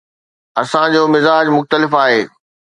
اسان جو مزاج مختلف آهي.